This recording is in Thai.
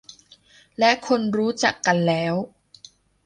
และคนรู้จักกันแล้ว